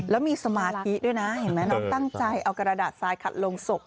แล้วมีสมาธิด้วยนะเห็นไหมเราตั้งใจเอากระดาษทรายขัดลงศพ